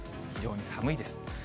非常に寒いです。